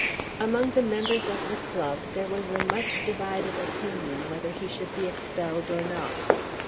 Among the members of the club there was a much divided opinion whether he should be expelled or not.